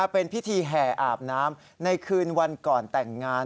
เป็นพิธีแห่อาบน้ำในคืนวันก่อนแต่งงาน